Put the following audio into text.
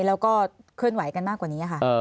แล้วก็เคลื่อนไหวกันมากกว่านี้ค่ะ